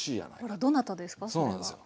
あらどなたですか？